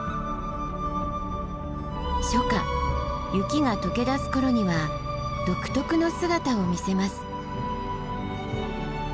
初夏雪が解けだす頃には独特の姿を見せます。